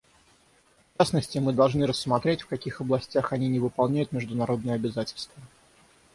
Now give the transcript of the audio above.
В частности, мы должны рассмотреть, в каких областях они не выполняют международные обязательства.